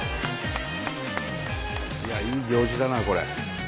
いい行事だなこれ。